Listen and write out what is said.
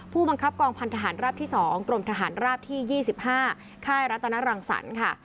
ผู้บังคับกองพันธหารราบที่๒กรมทหารราบที่๒๕ค่ายรัตนรังสรรค์ค่ะ